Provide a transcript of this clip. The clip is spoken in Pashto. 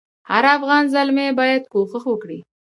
هر افغان زلمی باید کوښښ وکړي.